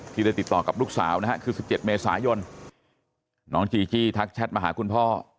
ที่ได้ติดต่อกับลูกสาวนะฮะคือ๑๗เมษายนน้องจีจี้ทักแชทมาหาคุณพ่อ